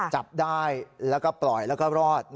จับได้แล้วก็ปล่อยแล้วก็รอด